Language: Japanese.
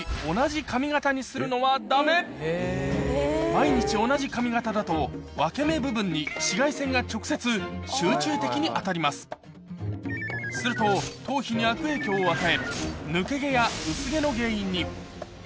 毎日同じ髪形だと分け目部分に紫外線が直接集中的に当たりますすると頭皮に悪影響を与え